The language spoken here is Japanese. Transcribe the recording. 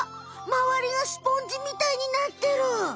まわりがスポンジみたいになってる！